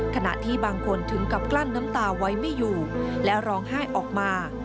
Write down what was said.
ขณะที่บางคนถึงกับกลั้นน้ำตาไว้ไม่อยู่และร้องไห้ออกมา